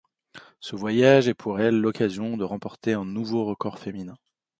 Ce voyage est pour elle l'occasion de remporter un nouveau record féminin.